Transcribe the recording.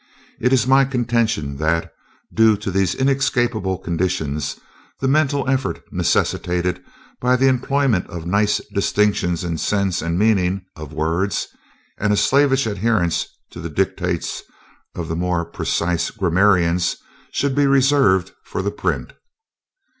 It is my contention that, due to these inescapable conditions, the mental effort necessitated by the employment of nice distinctions in sense and meaning of words and a slavish adherence to the dictates of the more precise grammarians should be reserved for the print...."